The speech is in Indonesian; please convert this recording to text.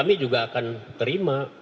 dia juga akan terima